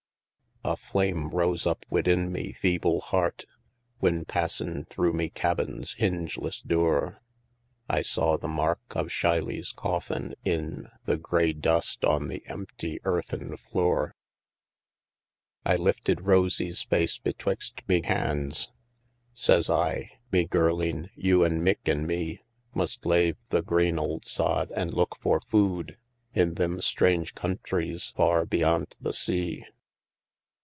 A flame rose up widin me feeble heart, Whin passin' through me cabin's hingeless dure, I saw the mark of Shylie's coffin in The grey dust on the empty earthen flure. I lifted Rosie's face betwixt me hands; Says I, 'Me girleen, you an' Mick an' me, Must lave the green ould sod, an' look for food In thim strange countries far beyant the sea.'